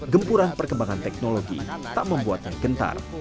gempuran perkembangan teknologi tak membuatnya gentar